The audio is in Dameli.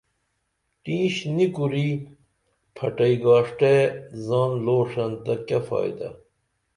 ٹینݜ نی کُری پھٹئی گاݜٹیہ زان لوݜن تہ کیہ فائدہ